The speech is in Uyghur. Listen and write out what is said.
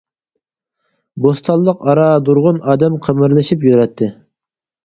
بوستانلىق ئارا نۇرغۇن ئادەم قىمىرلىشىپ، يۈرەتتى.